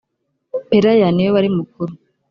pelaya niwe warimukuru.